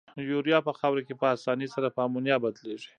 یوریا په خاوره کې په اساني سره په امونیا بدلیږي.